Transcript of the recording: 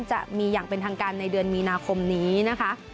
จะมีอย่างเป็นทางการในเดือนมีนาคมนี้นะคะ